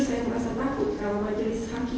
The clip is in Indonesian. saya merasa takut kalau majelis hakim